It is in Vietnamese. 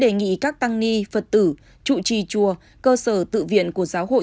tài nghi các tăng ni phật tử trụ trì chùa cơ sở tự viện của giáo hội